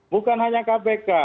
bukan hanya kpk